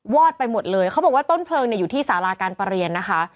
อดไปหมดเลยเขาบอกว่าต้นเพลิงเนี่ยอยู่ที่สาราการประเรียนนะคะ